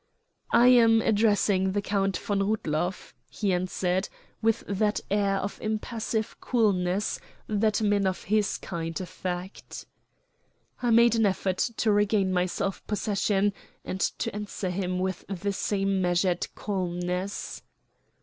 "I am addressing the Count von Rudloff," he answered, with that air of impassive coolness that men of his kind affect. I made an effort to regain my self possession, and to answer him with the same measured calmness.